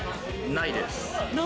ないです。